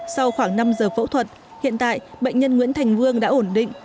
sau khoảng năm giờ phẫu thuật hiện tại bệnh nhân nguyễn thành vương đã ổn định